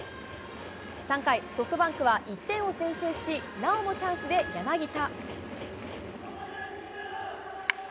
３回、ソフトバンクは１点を先制し、なおもチャンスで柳田。